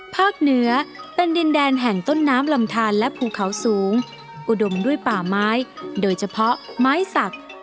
เหนือเป็นดินแดนแห่งต้นน้ำลำทานและภูเขาสูงอุดมด้วยป่าไม้โดยเฉพาะไม้สัก